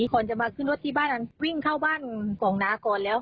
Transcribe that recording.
ก่อนจะมาขึ้นรถที่บ้านนั้นวิ่งเข้าบ้านของน้าก่อนแล้ว